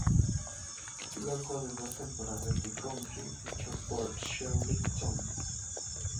Luego de dos temporadas en County, fichó por Shrewsbury Town.